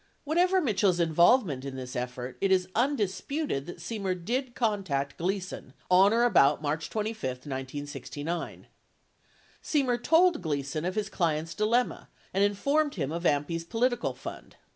Whatever Mitchell's involvement in this effort, it is undisputed that Semer did contact Gleason on or about March 25, 1969. Semer told Gleason of his client's dilemma and informed him of AMPI's politi cal fund.